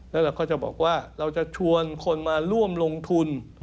แล้วเราก็จะบอกว่าเราจะชวนคนมาร่วมลงทุน